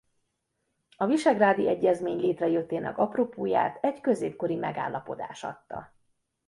A visegrádi egyezmény létrejöttének apropóját egy középkori megállapodás adta.